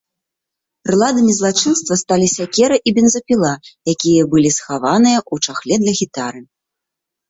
Прыладамі злачынства сталі сякера і бензапіла, якія былі схаваныя ў чахле для гітары.